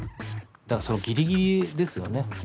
だからそのギリギリですよね。